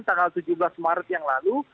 tanggal tujuh belas maret yang lalu